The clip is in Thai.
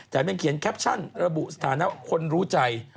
แต่ยังเขียนแคปชั่นระบุสถานะคนรู้ใจ